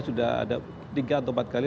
sudah ada tiga atau empat kali